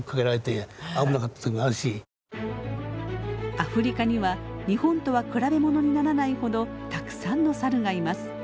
アフリカには日本とは比べものにならないほどたくさんのサルがいます。